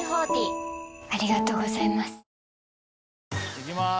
いきます